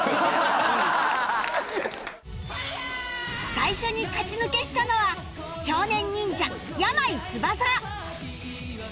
最初に勝ち抜けしたのは少年忍者山井飛翔